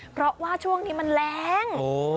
เพราะว่าช่วงนี้มันแรง